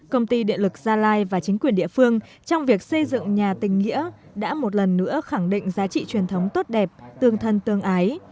công ty điện lực gia lai và chính quyền địa phương trong việc xây dựng nhà tình nghĩa đã một lần nữa khẳng định giá trị truyền thống tốt đẹp tương thân tương ái